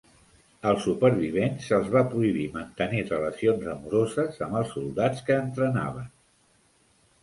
Als supervivents se'ls va prohibir mantenir relacions amoroses amb els soldats que entrenaven.